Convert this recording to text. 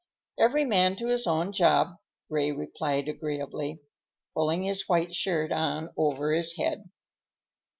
"Every man to his own job," Ray replied agreeably, pulling his white shirt on over his head.